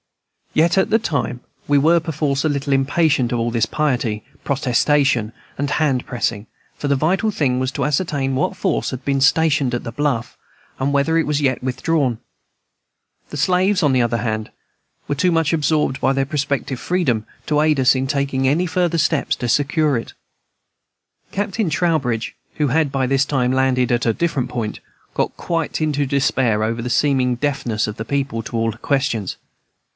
Yet at the time we were perforce a little impatient of all this piety, protestation, and hand pressing; for the vital thing was to ascertain what force had been stationed at the bluff, and whether it was yet withdrawn. The slaves, on the other hand, were too much absorbed in their prospective freedom to aid us in taking any further steps to secure it. Captain Trowbridge, who had by this time landed at a different point, got quite into despair over the seeming deafness of the people to all questions.